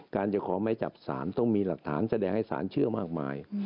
จะขอไม้จับสารต้องมีหลักฐานแสดงให้สารเชื่อมากมาย